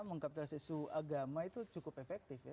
mengkapitalisasi suhu agama itu cukup efektif ya